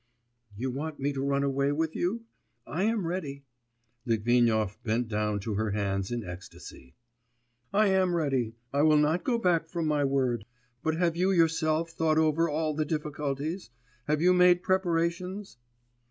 'You want me to run away with you? I am ready....' (Litvinov bent down to her hands in ecstasy.) 'I am ready. I will not go back from my word. But have you yourself thought over all the difficulties have you made preparations?